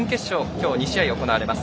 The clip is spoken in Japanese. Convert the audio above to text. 今日、２試合行われます。